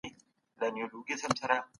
اسلامي نظام د عدالت ټینګښت لپاره کار کوي.